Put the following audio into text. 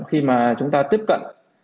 khi mà chúng ta tiếp cận